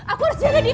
aku harus jaga dia